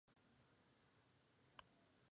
Esta especie de ave se encuentra en Filipinas.